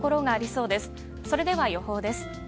それでは予報です。